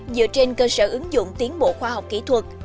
dựa trên cơ sở ứng dụng tiến bộ khoa học kỹ thuật